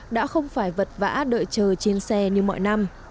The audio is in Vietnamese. đã không phải vật vã đợi chờ trên xe như mọi năm